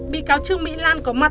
bị cáo trương mỹ lan có mặt